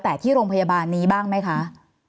แต่ที่โรงพยาบาลนี้บ้างไหมคะ